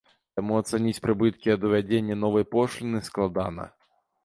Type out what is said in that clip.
Таму ацаніць прыбыткі ад увядзення новай пошліны складана.